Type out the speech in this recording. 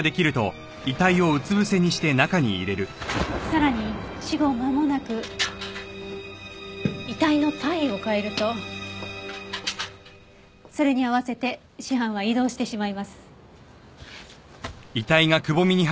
さらに死後まもなく遺体の体位を変えるとそれに合わせて死斑は移動してしまいます。